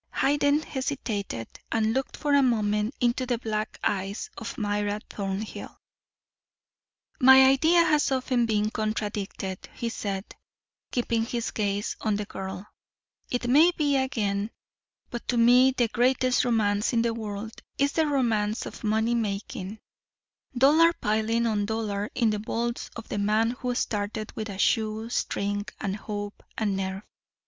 Hayden hesitated, and looked for a moment into the black eyes of Myra Thornhill. "My idea has often been contradicted," he said, keeping his gaze on the girl, "it may be again. But to me the greatest romance in the world is the romance of money making dollar piling on dollar in the vaults of the man who started with a shoe string, and hope, and nerve.